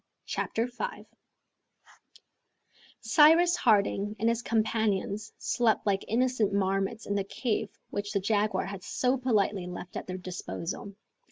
Chapter 5 Cyrus Harding and his companions slept like innocent marmots in the cave which the jaguar had so politely left at their disposal.